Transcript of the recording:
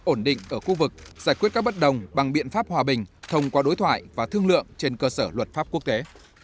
ổn định ở khu vực giải quyết các bất đồng bằng biện pháp hòa bình thông qua đối thoại và thương lượng trên cơ sở luật pháp quốc tế